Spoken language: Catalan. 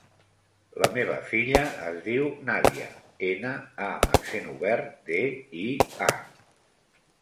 La meva filla es diu Nàdia: ena, a amb accent obert, de, i, a.